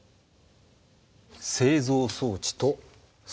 製造装置と素材。